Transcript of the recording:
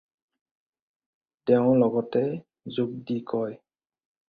তেওঁ লগতে যোগ দি কয়।